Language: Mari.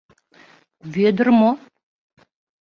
— Вӧдыр мо?